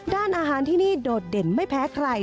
ด้านอาหารที่นี่โดดเด่นไม่แพ้ใคร